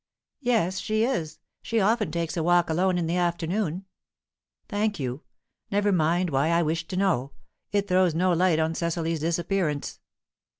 "Yes, she is. She often takes a walk alone in the afternoon." "Thank you. Never mind why I wished to know. It throws no light on Cecily's disappearance."